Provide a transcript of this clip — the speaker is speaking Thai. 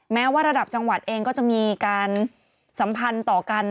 แม้ว่าระดับจังหวัดเองก็จะมีการสัมพันธ์ต่อกัน